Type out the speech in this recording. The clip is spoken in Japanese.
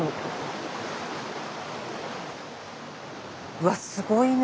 うわすごいね！